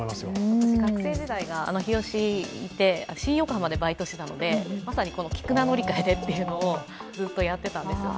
私、学生時代が日吉にいて、新横浜でバイトしていたので、まさにこの菊名乗り換えでというのをずっとやっていたんですよ。